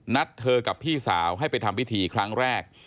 นัดเธอกับพี่สาวให้ไปทำพิธีครั้งแรก